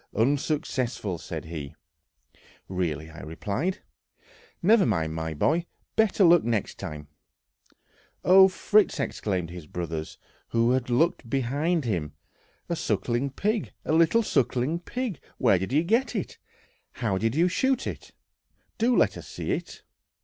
"Unsuccessful!" said he. "Really!" I replied; "never mind, my boy, better luck next time." "Oh, Fritz!" exclaimed his brothers, who had looked behind him, "a sucking pig, a little sucking pig. Where did you get it? How did you shoot it? Do let us see it!"....